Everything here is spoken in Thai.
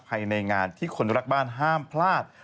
ภายในงานที่คนรักบ้านห้ามพลาด